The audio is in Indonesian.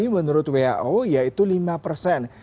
menurut who yaitu lima persen